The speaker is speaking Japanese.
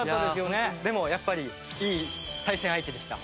でもやっぱりいい対戦相手でした。